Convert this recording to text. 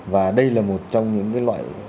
và đây là một trong những loại